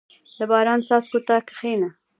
• د باران څاڅکو ته کښېنه.